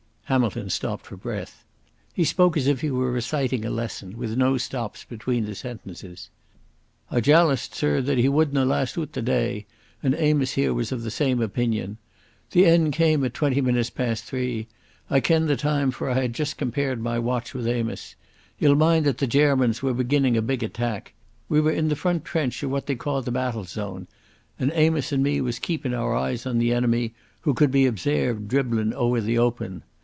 Hamilton stopped for breath. He spoke as if he were reciting a lesson, with no stops between the sentences. "I jaloused, sirr, that he wadna last oot the day, and Amos here was of the same opinion. The end came at twenty minutes past three—I ken the time, for I had just compared my watch with Amos. Ye'll mind that the Gairmans were beginning a big attack. We were in the front trench of what they ca' the battle zone, and Amos and me was keepin' oor eyes on the enemy, who could be obsairved dribblin' ower the open.